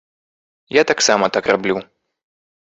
Я таксама так раблю.